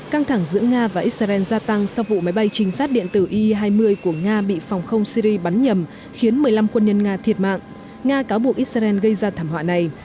căng thẳng giữa nga và israel gia tăng sau vụ máy bay trinh sát điện tử ie hai mươi của nga bị phòng không syri bắn nhầm khiến một mươi năm quân nhân nga thiệt mạng nga cáo buộc israel gây ra thảm họa này